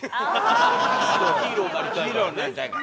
ヒーローになりたいから。